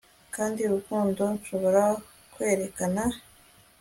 Kandi urukundo nshobora kwerekana